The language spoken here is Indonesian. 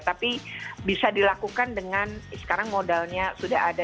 tapi bisa dilakukan dengan sekarang modalnya sudah ada